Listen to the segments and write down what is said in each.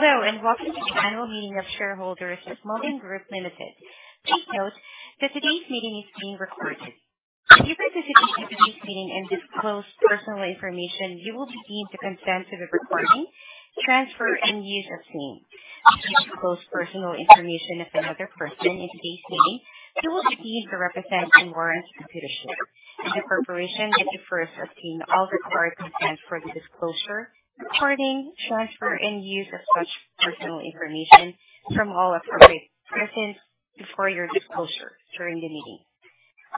Hello, welcome to the Annual Meeting of Shareholders of Mullen Group Limited. Please note that today's meeting is being recorded. If you participate in today's meeting and disclose personal information, you will be deemed to consent to the recording, transfer, and use of same. If you disclose personal information of another person in today's meeting, you will be deemed to represent Computershare and the corporation and to first obtain all required consent for the disclosure, recording, transfer, and use of such personal information from all appropriate persons before your disclosure during the meeting.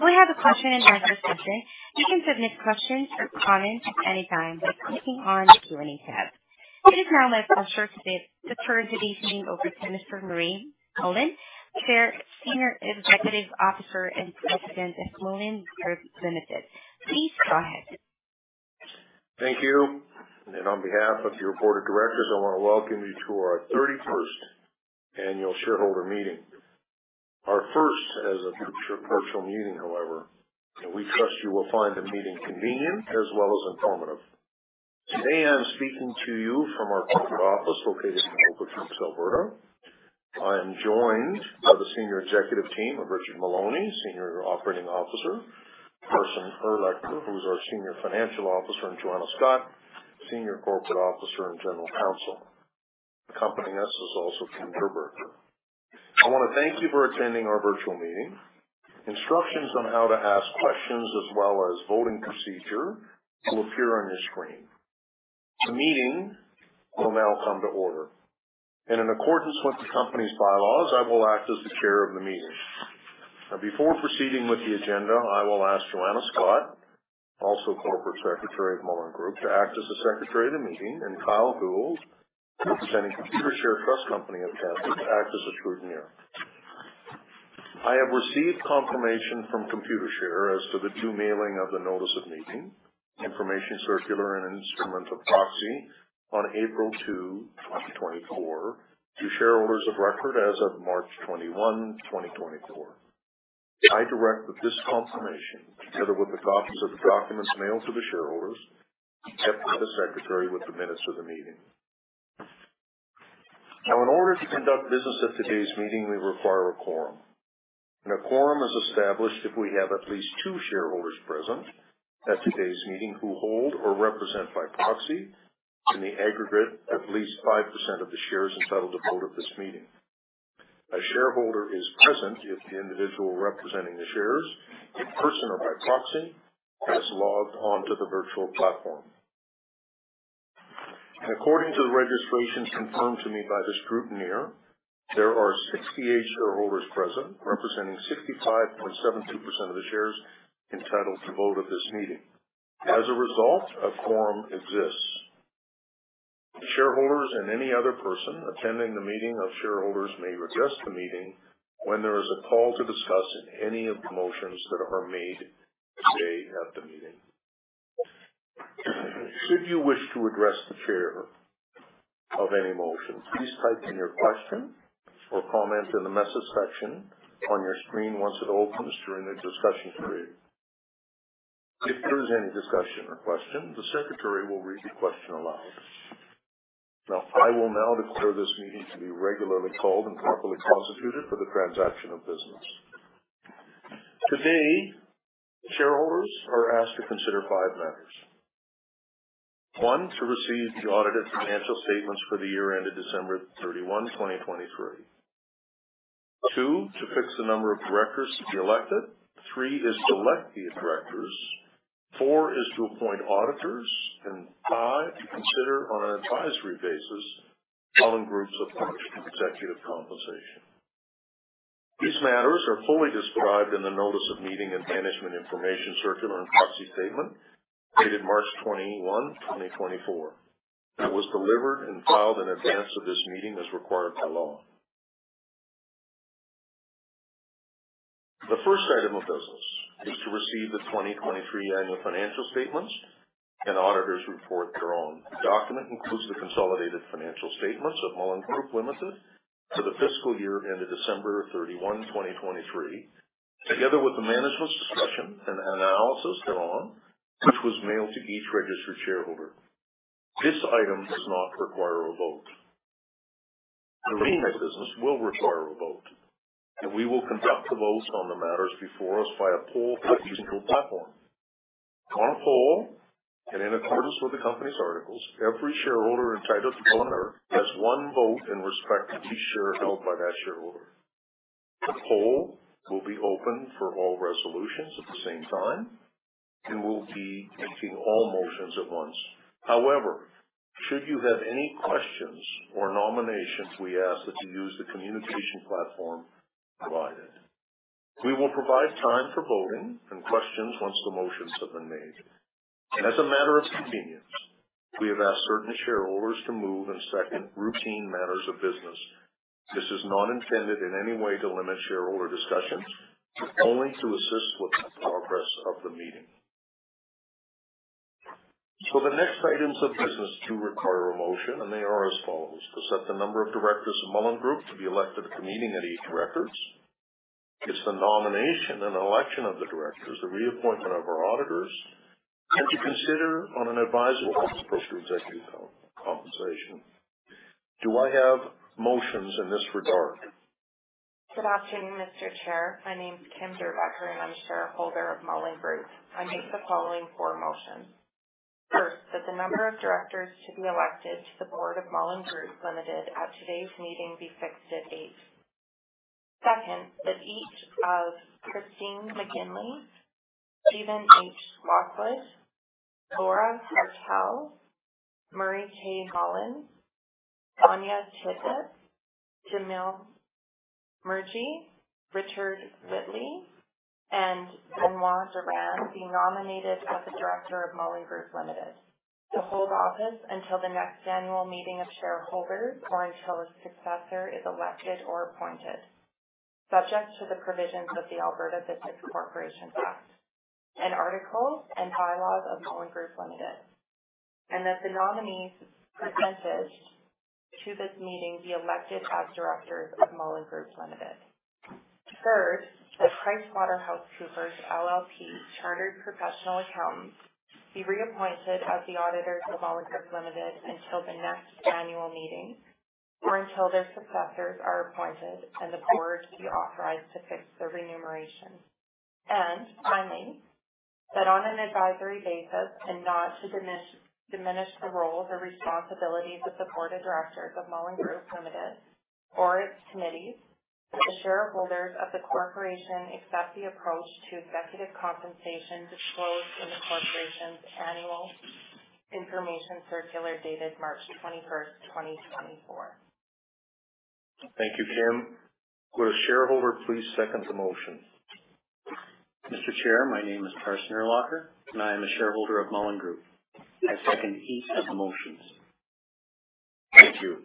We have a question-and-answer session. You can submit questions or comments anytime by clicking on the Q&A tab. It is now my pleasure to defer today's meeting over to Mr. Murray K. Mullen, Chair, Senior Executive Officer, and President of Mullen Group Limited. Please go ahead. Thank you. On behalf of your board of directors, I want to welcome you to our 31st Annual Shareholder Meeting. Our first as a virtual meeting, however. We trust you will find the meeting convenient as well as informative. Today, I'm speaking to you from our corporate office located in Okotoks, Alberta. I'm joined by the senior executive team of Richard Maloney, Senior Operating Officer, Carson Urlacher, who's our Senior Financial Officer, and Joanna Scott, Senior Corporate Officer and General Counsel. Accompanying us is also Kim Derbecker. I wanna thank you for attending our virtual meeting. Instructions on how to ask questions as well as voting procedure will appear on your screen. The meeting will now come to order. In accordance with the company's bylaws, I will act as the chair of the meeting. Now, before proceeding with the agenda, I will ask Joanna Scott, also Corporate Secretary of Mullen Group, to act as the Secretary of the meeting, and Kyle Gould, representing Computershare Trust Company of Canada, to act as the scrutineer. I have received confirmation from Computershare as to the due mailing of the Notice of Meeting, Information Circular, and instrumental proxy on April 2, 2024, to shareholders of record as of March 21, 2024. I direct that this confirmation, together with the copies of the documents mailed to the shareholders, be kept by the secretary with the minutes of the meeting. Now, in order to conduct business at today's meeting, we require a quorum. A quorum is established if we have at least two shareholders present at today's meeting who hold or represent by proxy in the aggregate, at least 5% of the shares entitled to vote at this meeting. A shareholder is present if the individual representing the shares, in person or by proxy, has logged on to the virtual platform. According to the registration confirmed to me by the scrutineer, there are 68 shareholders present, representing 65.72% of the shares entitled to vote at this meeting. As a result, a quorum exists. Shareholders and any other person attending the meeting of shareholders may address the meeting when there is a call to discuss any of the motions that are made today at the meeting. Should you wish to address the chair of any motion, please type in your question or comment in the message section on your screen once it opens during the discussion period. If there is any discussion or question, the secretary will read the question aloud. I will now declare this meeting to be regularly called and properly constituted for the transaction of business. Today, shareholders are asked to consider five matters. One, to receive the audited financial statements for the year ended December 31, 2023. Two, to fix the number of directors to be elected. Three is to elect these directors. Four is to appoint auditors. Five, to consider on an advisory basis, Mullen Group's approach to executive compensation. These matters are fully described in the Notice of Meeting and Management Information Circular and Proxy Statement dated March 21, 2024, that was delivered and filed in advance of this meeting as required by law. The first item of business is to receive the 2023 annual financial statements, and auditor's report thereon. The document includes the consolidated financial statements of Mullen Group Ltd for the fiscal year ended December 31, 2023, together with the Management's Discussion and Analysis thereon, which was mailed to each registered shareholder. This item does not require a vote. The remaining business will require a vote, and we will conduct the votes on the matters before us via poll through the digital platform. On poll, and in accordance with the company's articles, every shareholder entitled to vote has one vote in respect to each share held by that shareholder. The poll will be open for all resolutions at the same time and will be taking all motions at once. However, should you have any questions or nominations, we ask that you use the communication platform provided. We will provide time for voting and questions once the motions have been made. As a matter of convenience, we have asked certain shareholders to move and second routine matters of business. This is not intended in any way to limit shareholder discussions, only to assist with the progress of the meeting. The next items of business do require a motion, and they are as follows: To set the number of directors of Mullen Group to be elected at the meeting at eight directors. It's the nomination and election of the directors, the reappointment of our auditors, and to consider on an advisory approach to executive compensation. Do I have motions in this regard? Good afternoon, Mr. Chair. My name is Kim Derbecker, and I'm a shareholder of Mullen Group. I make the following four motions. First, that the number of directors to be elected to the Board of Mullen Group Ltd at today's meeting be fixed at eight. Second, that each of Christine McGinley, Stephen H. Lockwood, Laura Hartwell, Marie K. Hollins, Anya Tschida, Jamil Murji, Richard Whitley, and Benoit Durand be nominated as a director of Mullen Group Ltd to hold office until the next Annual Meeting of Shareholders, or until a successor is elected or appointed, subject to the provisions of the Alberta Business Corporations Act, and articles and bylaws of Mullen Group Ltd, and that the nominees presented to this meeting be elected as directors of Mullen Group Ltd. Third, that PricewaterhouseCoopers LLP, Chartered Professional Accountants, be reappointed as the auditors of Mullen Group Ltd until the next annual meeting or until their successors are appointed and the board be authorized to fix their remuneration. Finally, that on an advisory basis, and not to diminish the role or responsibilities of the board of directors of Mullen Group Ltd or its committees, the shareholders of the corporation accept the approach to executive compensation disclosed in the corporation's annual Information Circular, dated March 21st, 2024. Thank you, Kim. Will a shareholder please second the motion? Mr. Chair, my name is Carson Urlacher, and I am a shareholder of Mullen Group. I second each of the motions. Thank you.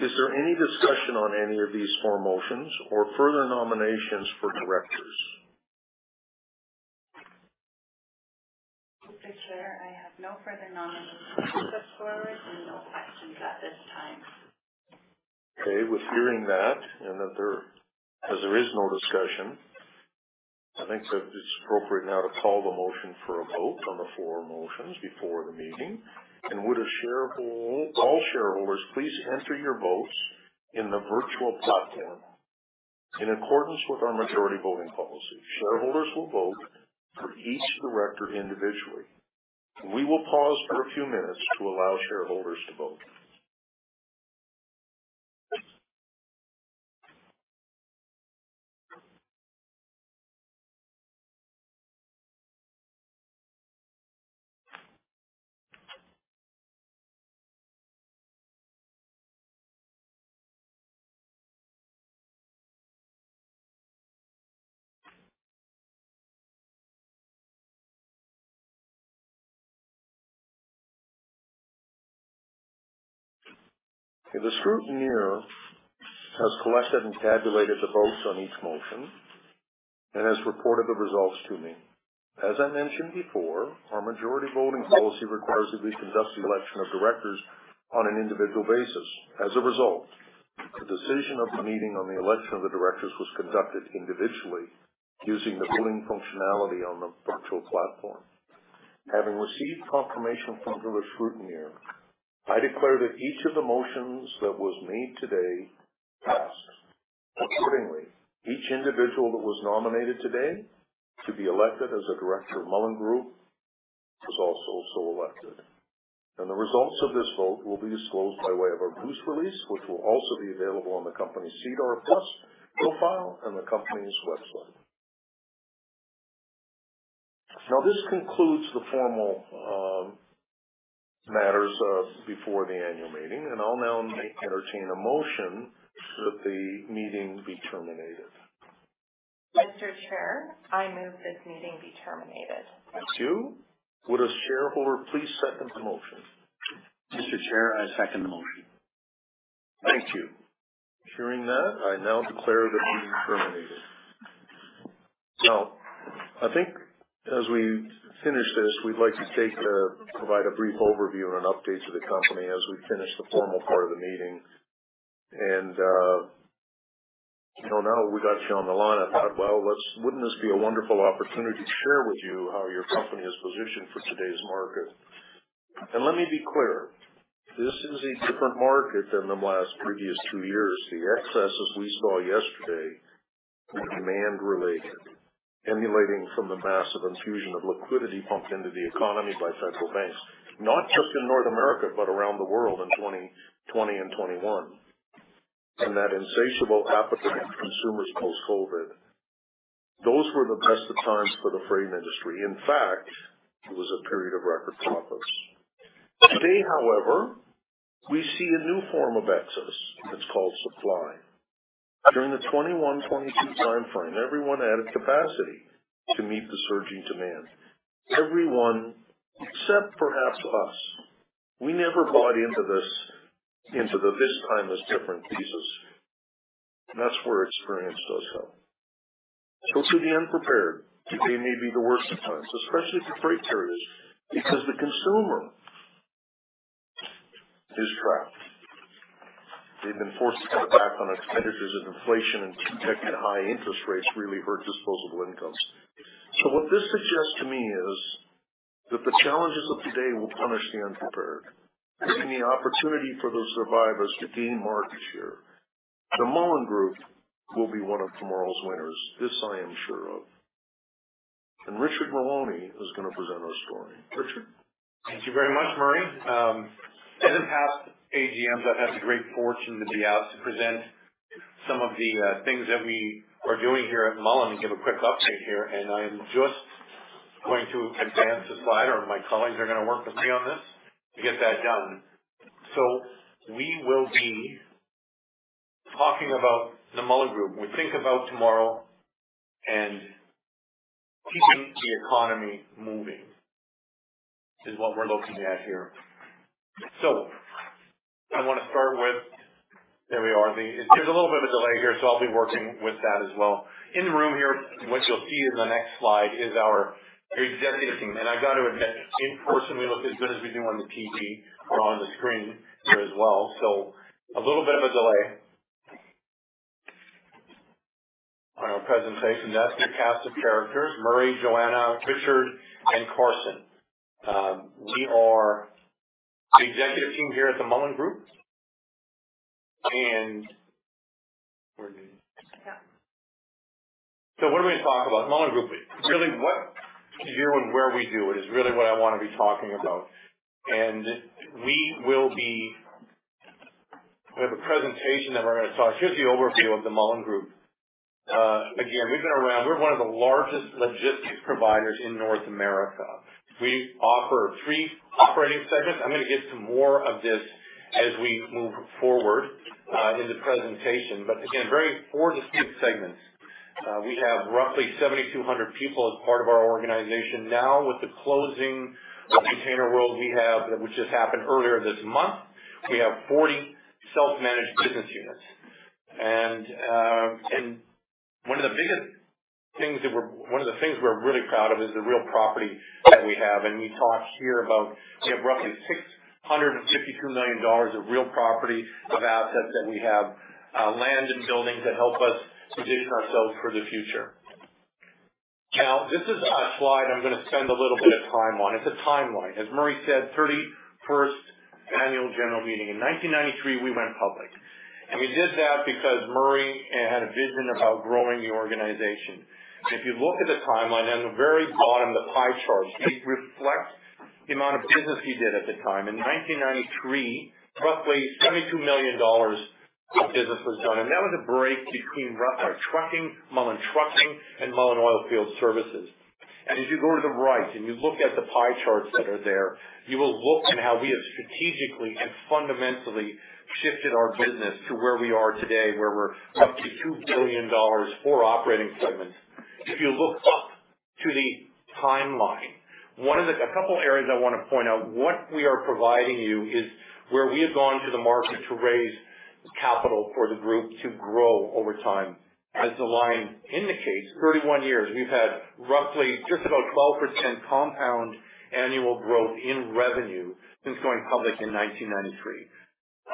Is there any discussion on any of these four motions or further nominations for directors? Mr. Chair, I have no further nominations to put forward and no questions at this time. Okay, with hearing that and As there is no discussion, I think that it's appropriate now to call the motion for a vote on the four motions before the meeting. Would a shareholder, all shareholders, please enter your votes in the virtual platform. In accordance with our majority voting policy, shareholders will vote for each director individually. We will pause for a few minutes to allow shareholders to vote. The scrutineer has collected and tabulated the votes on each motion and has reported the results to me. As I mentioned before, our majority voting policy requires that we conduct the election of directors on an individual basis. As a result, the decision of the meeting on the election of the directors was conducted individually, using the voting functionality on the virtual platform. Having received confirmation from the scrutineer, I declare that each of the motions that was made today passed. Accordingly, each individual that was nominated today to be elected as a director of Mullen Group was also so elected, and the results of this vote will be disclosed by way of our news release, which will also be available on the company's SEDAR profile and the company's website. Now, this concludes the formal matters before the annual meeting, and I'll now entertain a motion that the meeting be terminated. Mr. Chair, I move this meeting be terminated. Thank you. Would a shareholder please second the motion? Mr. Chair, I second the motion. Thank you. Hearing that, I now declare the meeting terminated. I think as we finish this, we'd like to take, provide a brief overview and update to the company as we finish the formal part of the meeting. You know, now that we got you on the line, I thought, well, wouldn't this be a wonderful opportunity to share with you how your company is positioned for today's market? Let me be clear, this is a different market than the last previous two years. The excess, as we saw yesterday, was demand related, emanating from the massive infusion of liquidity pumped into the economy by central banks, not just in North America, but around the world in 2020 and 2021, and that insatiable appetite of consumers post-COVID. Those were the best of times for the freight industry. In fact, it was a period of record profits. Today, however, we see a new form of excess that's called supply. During the 2021-2022 time frame, everyone added capacity to meet the surging demand. Everyone, except perhaps us. We never bought into this time is different, thesis. That's where experience does help. To the unprepared, today may be the worst of times, especially for freight carriers, because the consumer is trapped. They've been forced to cut back on expenditures as inflation and two-digit high interest rates really hurt disposable incomes. What this suggests to me is, that the challenges of today will punish the unprepared, giving the opportunity for those survivors to gain market share. The Mullen Group will be one of tomorrow's winners. This I am sure of, Richard Maloney is gonna present our story. Richard? Thank you very much, Murray. In the past AGMs, I've had the great fortune to be asked to present some of the things that we are doing here at Mullen and give a quick update here. I'm just going to advance the slide, or my colleagues are gonna work with me on this to get that done. We will be talking about the Mullen Group. We think about tomorrow and keeping the economy moving is what we're looking at here. I wanna start with There we are. There's a little bit of a delay here, I'll be working with that as well. In the room here, what you'll see in the next slide is our executive team. I've got to admit, in person, we look as good as we do on the TV or on the screen here as well. A little bit of a delay on our presentation. That's your cast of characters, Murray, Joanna, Richard, and Carson. We are the executive team here at the Mullen Group. Yeah. What are we gonna talk about? Mullen Group. Really, what year and where we do is really what I wanna be talking about. We have a presentation that we're gonna talk. Here's the overview of the Mullen Group. Again, we're one of the largest logistics providers in North America. We offer three operating segments. I'm gonna get to more of this as we move forward, in the presentation, but again, very four distinct segments. We have roughly 7,200 people as part of our organization. Now, with the closing of ContainerWorld, we have, which just happened earlier this month, we have 40 Self-Managed Business Units. One of the things we're really proud of is the real property that we have. We talked here about, we have roughly 652 million dollars of real property, of assets, that we have, land and buildings that help us position ourselves for the future. This is a slide I'm gonna spend a little bit of time on. It's a timeline. As Murray said, 31st Annual General Meeting. In 1993, we went public, and we did that because Murray had a vision about growing the organization. You look at the timeline, on the very bottom, the pie chart, it reflects the amount of business he did at the time. In 1993, roughly 72 million dollars of business was done, and that was a break between trucking, Mullen Trucking, and Mullen Oilfield Services. As you go to the right and you look at the pie charts that are there, you will look at how we have strategically and fundamentally shifted our business to where we are today, where we're up to 2 billion dollars, four operating segments. If you look up to the timeline, a couple areas I want to point out. What we are providing you is where we have gone to the market to raise capital for Mullen Group to grow over time. As the line indicates, 31 years, we've had roughly just about 12% compound annual growth in revenue since going public in 1993.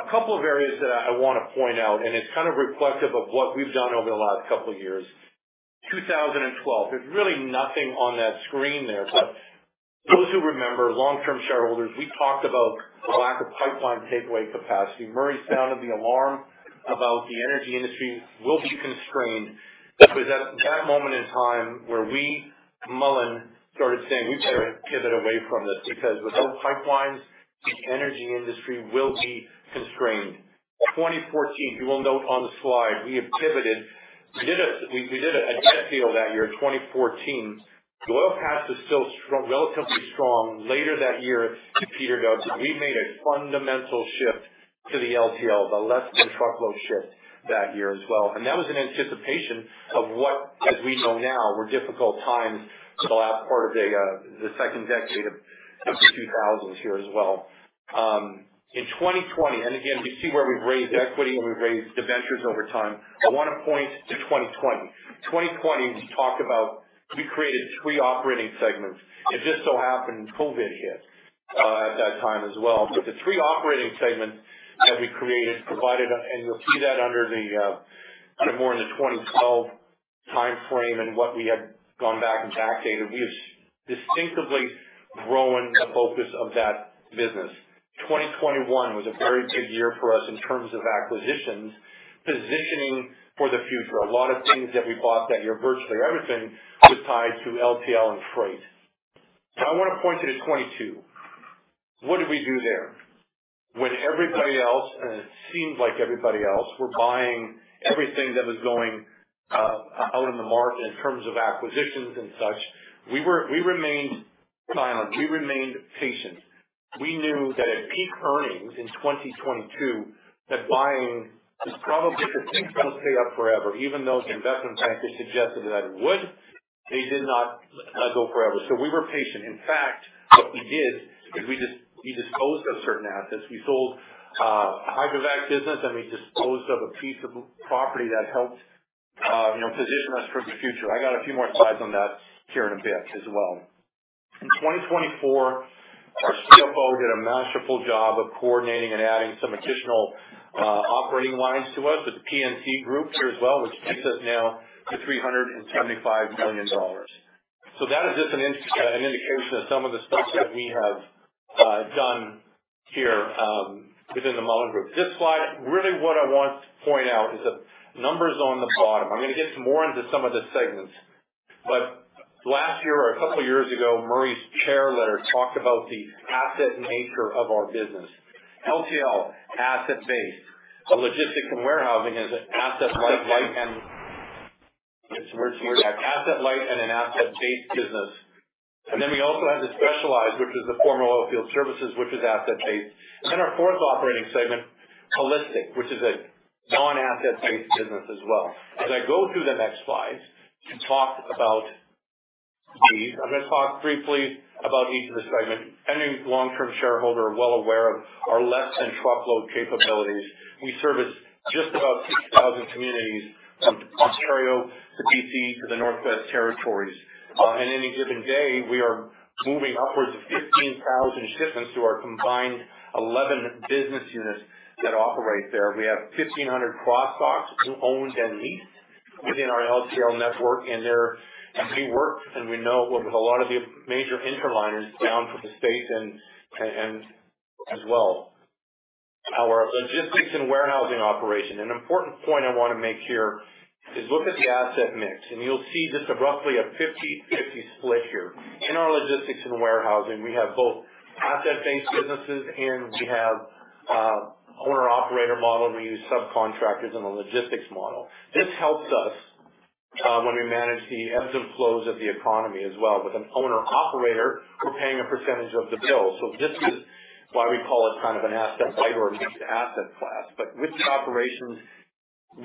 A couple of areas that I want to point out. It's kind of reflective of what we've done over the last couple of years. 2012, there's really nothing on that screen there. Those who remember, long-term shareholders, we talked about the lack of pipeline takeaway capacity. Murray sounded the alarm about the energy industry will be constrained. That was at that moment in time where we, Mullen, started saying, "We better pivot away from this, because without pipelines, the energy industry will be constrained." 2014, if you will note on the slide, we have pivoted. We did a jet deal that year, 2014. The oil patch was still strong, relatively strong. Later that year, it petered out. We made a fundamental shift to the LTL, the less-than-truckload shift that year as well. That was in anticipation of what, as we know now, were difficult times for the last part of the second decade of the 2000s here as well. In 2020, again, you see where we've raised equity and we've raised debentures over time. I want to point to 2020. 2020, we talked about. We created three operating segments. It just so happened COVID hit at that time as well. The three operating segments that we created provided a, and you'll see that under the kind of more in the 2012 timeframe and what we have gone back and backdated. We've distinctively grown the focus of that business. 2021 was a very big year for us in terms of acquisitions, positioning for the future. A lot of things that we bought that year, virtually everything, was tied to LTL and freight. I wanna point you to 2022. What did we do there? When everybody else, and it seemed like everybody else, were buying everything that was going out in the market in terms of acquisitions and such, we remained silent. We remained patient. We knew that at peak earnings in 2022, that buying was probably the things don't stay up forever, even though the investment bankers suggested that it would, they did not go forever. We were patient. In fact, what we did is we disposed of certain assets. We sold hydrovac business, and we disposed of a piece of property that helped, you know, position us for the future. I got a few more slides on that here in a bit as well. In 2024, our CFO did a masterful job of coordinating and adding some additional operating lines to us with the P&T Group here as well, which takes us now to 375 million dollars. That is just an indication of some of the stuff that we have done here within the Mullen Group. This slide, really what I want to point out is the numbers on the bottom. I'm gonna get some more into some of the segments, last year or a couple of years ago, Murray's Chair letter talked about the asset nature of our business. LTL, asset base. Logistics & Warehousing is an asset light, it's asset light and an asset-based business. We also have the specialized, which is the former Oilfield Services, which is asset-based. Our fourth operating segment, HAUListic, which is a non-asset-based business as well. As I go through the next slides to talk about these, I'm gonna talk briefly about each of the segments. Any long-term shareholder are well aware of our Less-Than-Truckload capabilities. We service just about 6,000 communities, from Ontario to BC to the Northwest Territories. In any given day, we are moving upwards of 15,000 shipments through our combined 11 business units that operate there. We have 1,500 cross-docks, owned and leased within our LTL network, and we work, and we know with a lot of the major interliners down for the state and as well. Our Logistics & Warehousing operation. An important point I wanna make here is look at the asset mix, and you'll see just a roughly a 50/50 split here. In our Logistics & Warehousing, we have both asset-based businesses, and we have owner-operator model. We use subcontractors in the logistics model. This helps us when we manage the ebbs and flows of the economy as well. With an owner-operator, we're paying a percentage of the bill, so this is why we call it kind of an asset light or mixed asset class. With the operations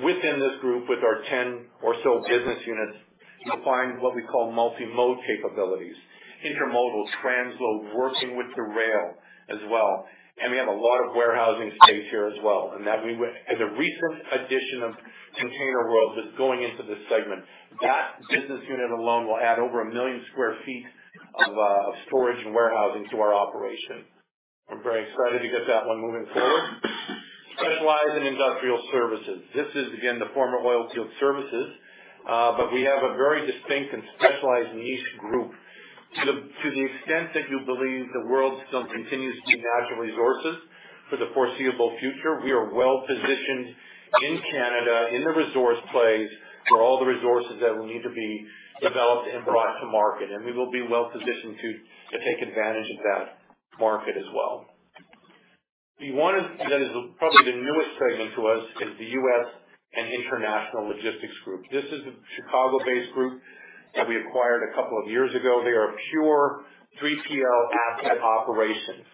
within this group, with our 10 or so business units, you'll find what we call multimode capabilities, intermodal, transload, working with the rail as well. We have a lot of warehousing space here as well, as a recent addition of ContainerWorld that's going into this segment, that business unit alone will add over one million square feet of storage and warehousing to our operation. I'm very excited to get that one moving forward. Specialized & Industrial Services. This is again, the former Oilfield Services, but we have a very distinct and specialized niche group. To the extent that you believe the world still continues to need natural resources for the foreseeable future, we are well positioned in Canada, in the resource plays, for all the resources that will need to be developed and brought to market, and we will be well positioned to take advantage of that market as well. The one that is probably the newest segment to us is the U.S. & International Logistics Group. This is a Chicago-based group that we acquired a couple of years ago. They are a pure 3PL asset operation.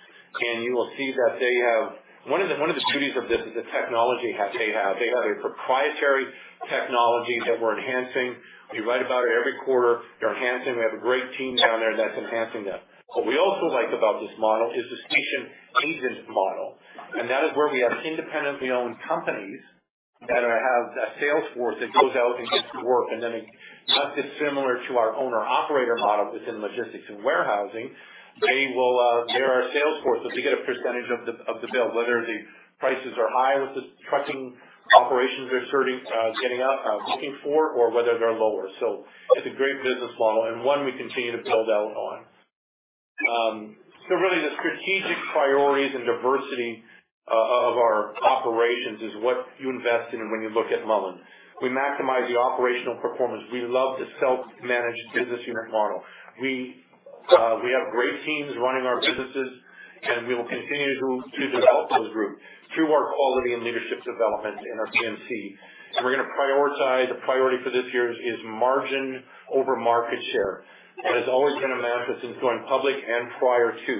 You will see that they have... One of the beauties of this is the technology they have. They have a proprietary technology that we're enhancing. We write about it every quarter. They're enhancing. We have a great team down there that's enhancing that. What we also like about this model is the Station Agent model. That is where we have independently owned companies that have a sales force that goes out and gets the work. Not dissimilar to our owner-operator model within Logistics & Warehousing, they will, they're our sales force, so they get a percentage of the, of the bill, whether the prices are high, with the trucking operations are starting, getting out, looking for, or whether they're lower. It's a great business model and one we continue to build out on. Really, the strategic priorities and diversity of our operations is what you invest in when you look at Mullen. We maximize the operational performance. We love the self-managed business unit model. We, we have great teams running our businesses, and we will continue to develop those groups through our quality and leadership development in our P&T. The priority for this year is margin over market share. That has always been a mantra since going public and prior to,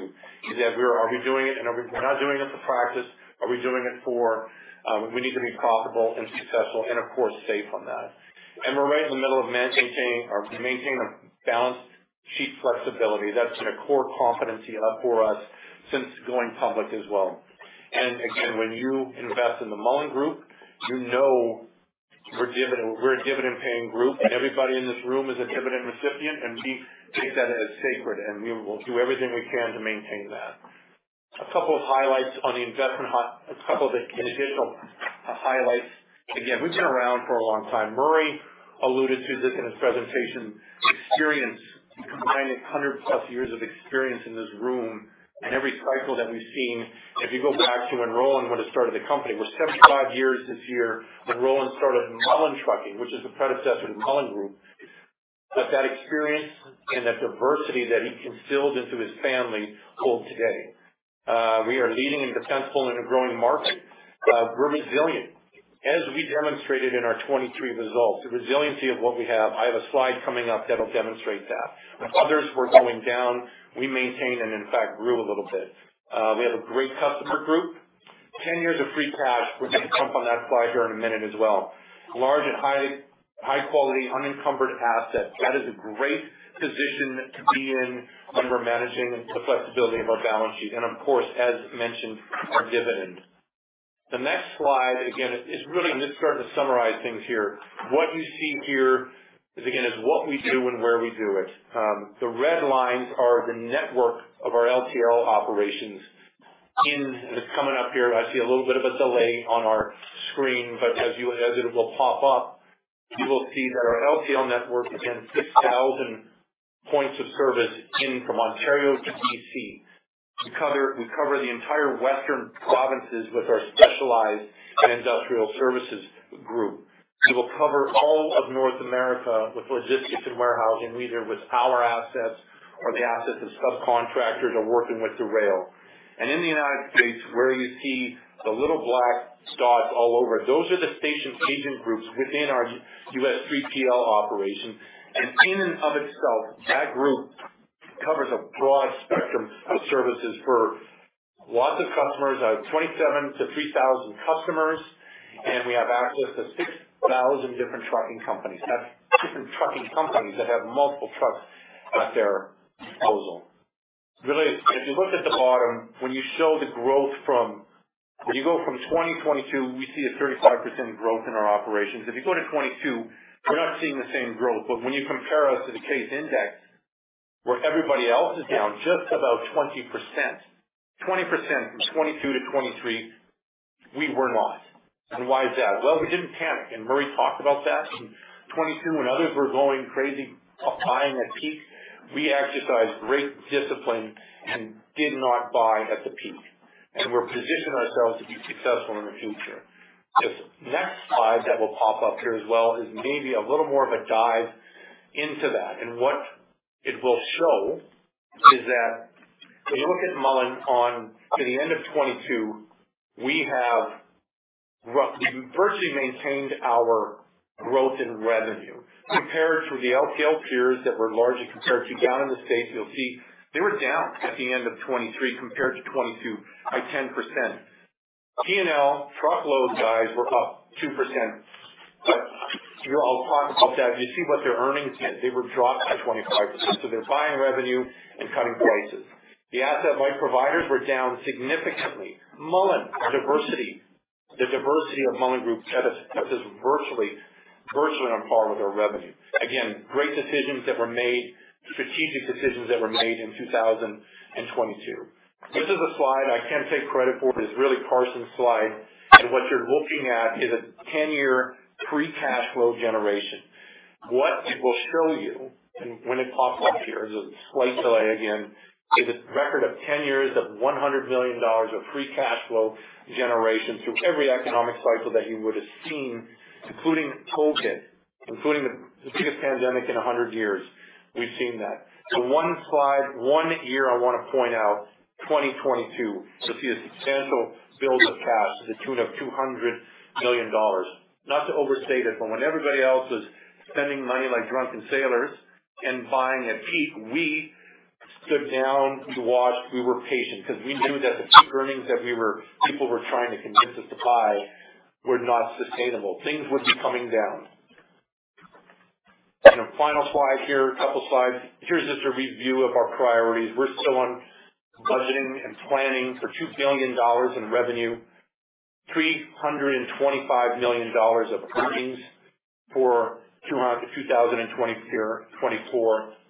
is that we are doing it and we're not doing it for practice. Are we doing it for. We need to be profitable and successful and of course, safe on that. We're right in the middle of maintaining our, maintaining a balanced sheet flexibility. That's been a core competency for us since going public as well. Again, when you invest in the Mullen Group, you know we're a dividend-paying group, and everybody in this room is a dividend recipient, and we take that as sacred, and we will do everything we can to maintain that. A couple of highlights on the investment high. A couple of additional highlights. Again, we've been around for a long time. Murray alluded to this in his presentation. Experience, combining 100+ years of experience in this room and every cycle that we've seen. If you go back to when Roland, when it started the company, we're 75 years this year, when Roland started Mullen Trucking, which is a predecessor to Mullen Group. That experience and that diversity that he instilled into his family hold today. We are leading and defensible in a growing market. We're resilient. As we demonstrated in our 2023 results, the resiliency of what we have, I have a slide coming up that will demonstrate that. When others were going down, we maintained and in fact grew a little bit. We have a great customer group, 10 years of free cash. We're gonna jump on that slide here in a minute as well. Large and highly high-quality, unencumbered assets. That is a great position to be in when we're managing the flexibility of our balance sheet. Of course, as mentioned, our dividend. The next slide, again, is really just starting to summarize things here. What you see here is, again, is what we do and where we do it. The red lines are the network of our LTL operations. It's coming up here. I see a little bit of a delay on our screen, but as it will pop up, you will see that our LTL network is in 6,000 points of service in from Ontario to BC. We cover the entire western provinces with our specialized and industrial services group. We will cover all of North America with Logistics & Warehousing, either with our assets or the assets of subcontractors or working with the rail. In the United States, where you see the little black dots all over, those are the Station Agent groups within our U.S. 3PL operation. In and of itself, that group covers a broad spectrum of services for lots of customers, 27 to 3,000 customers, and we have access to 6,000 different trucking companies. That's different trucking companies that have multiple trucks at their disposal. Really, if you look at the bottom, when you show the growth from 2022, we see a 35% growth in our operations. If you go to 2022, we're not seeing the same growth. When you compare us to the Cass Freight Index, where everybody else is down just about 20% from 2022 to 2023, we weren't lost. Why is that? Well, we didn't panic, and Murray talked about that. In 2022, when others were going crazy, buying at peak, we exercised great discipline and did not buy at the peak. We're positioning ourselves to be successful in the future. This next slide that will pop up here as well is maybe a little more of a dive into that. What it will show is that when you look at Mullen on to the end of 2022, we've virtually maintained our growth in revenue. Compared to the LTL peers that we're largely compared to, down in the States, you'll see they were down at the end of 2023 compared to 2022 by 10%. P&L, truckload guys were up 2%, I'll talk about that. You see what their earnings did. They were dropped by 25%, they're buying revenue and cutting prices. The asset-light providers were down significantly. Mullen, our diversity, the diversity of Mullen Group, kept us virtually on par with our revenue. Great decisions that were made, strategic decisions that were made in 2022. This is a slide I can't take credit for. It's really Carson's slide. What you're looking at is a 10-year free cash flow generation. What it will show you, when it pops up here, there's a slight delay again, is a record of 10 years of 100 billion dollars of free cash flow generation through every economic cycle that you would have seen, including COVID, including the biggest pandemic in 100 years. We've seen that. The one slide, one year, I want to point out, 2022, you'll see a substantial build of cash to the tune of 200 million dollars. Not to overstate it, when everybody else was spending money like drunken sailors and buying at peak, we stood down to watch. We were patient because we knew that the peak earnings that people were trying to convince us to buy were not sustainable. Things would be coming down. The final slide here, a couple slides. Here's just a review of our priorities. We're still on budgeting and planning for 2 billion dollars in revenue, 325 million dollars of earnings for 2024.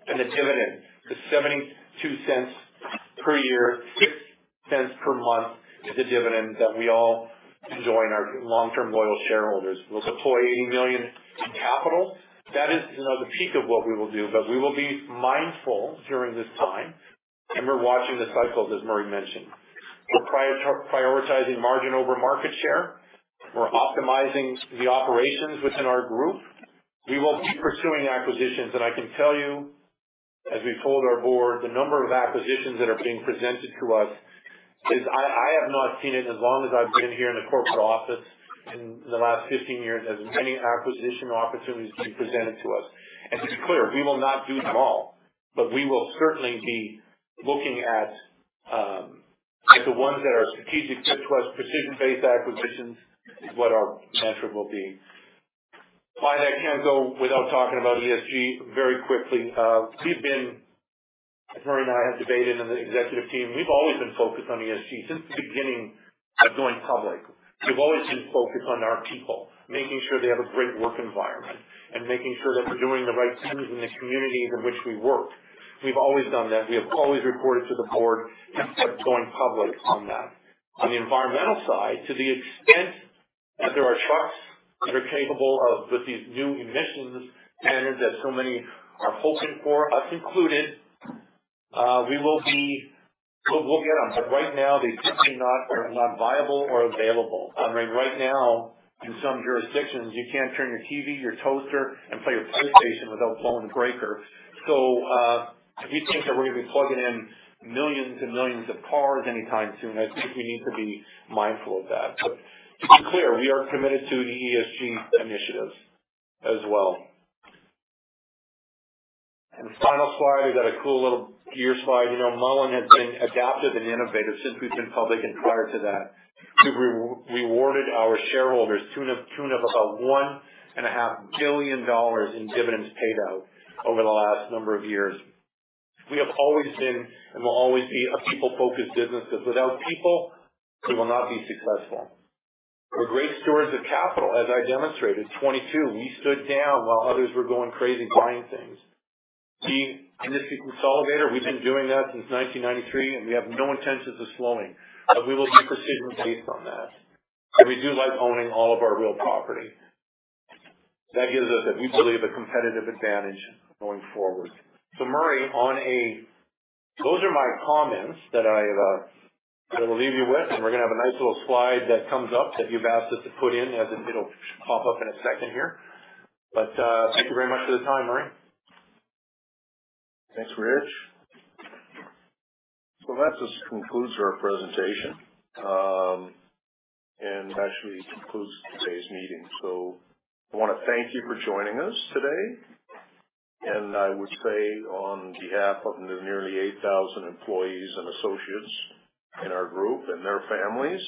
The dividend, the 0.72 per year, 0.06 per month, is a dividend that we all enjoy in our long-term, loyal shareholders. We'll deploy 80 million in capital. That is, you know, the peak of what we will do, but we will be mindful during this time, and we're watching the cycles, as Murray mentioned. We're prioritizing margin over market share. We're optimizing the operations within our group. We will be pursuing acquisitions, and I can tell you, as we told our board, the number of acquisitions that are being presented to us is I have not seen it as long as I've been here in the corporate office in the last 15 years, as many acquisition opportunities being presented to us. To be clear, we will not do them all, but we will certainly be looking at the ones that are strategic fit to us. Precision-based acquisitions is what our mantra will be. Finally, I can't go without talking about ESG very quickly. We've been As Murray K. Mullen and I have debated, and the executive team, we've always been focused on ESG since the beginning of going public. We've always been focused on our people, making sure they have a great work environment and making sure that we're doing the right things in the communities in which we work. We've always done that. We have always reported to the board since going public on that. On the environmental side, to the extent that there are trucks that are capable of, with these new emissions standards that so many are hoping for, us included, We'll get them. Right now, they're simply not viable or available. I mean, right now, in some jurisdictions, you can't turn your TV, your toaster, and play your PlayStation without blowing the breaker. If you think that we're going to be plugging in millions and millions of cars anytime soon, I think we need to be mindful of that. To be clear, we are committed to the ESG initiatives as well. The final slide, I've got a cool little gear slide. You know, Mullen has been adaptive and innovative since we've been public and prior to that. We've rewarded our shareholders to the tune of about 1.5 billion dollars in dividends paid out over the last number of years. We have always been and will always be a people-focused business, because without people, we will not be successful. We're great stewards of capital. As I demonstrated, 2022, we stood down while others were going crazy buying things. Being in this consolidator, we've been doing that since 1993, we have no intentions of slowing, we will be precision based on that. We do like owning all of our real property. That gives us, we believe, a competitive advantage going forward. Murray, Those are my comments that I that I will leave you with, we're gonna have a nice little slide that comes up that you've asked us to put in as it'll pop up in a second here. Thank you very much for the time, Murray. Thanks, Rich. That just concludes our presentation, actually concludes today's meeting. I want to thank you for joining us today, and I would say on behalf of the nearly 8,000 employees and associates in our group and their families,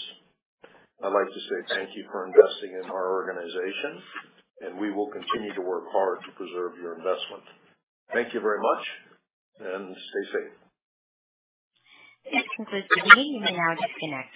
I'd like to say thank you for investing in our organization, and we will continue to work hard to preserve your investment. Thank you very much, and stay safe. This concludes the meeting. You may now disconnect.